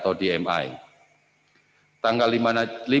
dan dianggap penundaan perbaikan atau dmi